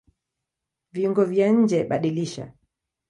Viungo vya njeBadilisha